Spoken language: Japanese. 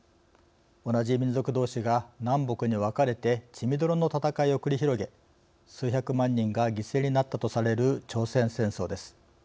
同じ民族どうしが南北に分かれて血みどろの戦いを繰り広げ数百万人が犠牲になったとされる朝鮮戦争です。